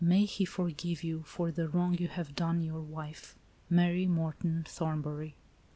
May He forgive you for the wrong you have done your wife. "Mary Morton Thornbury."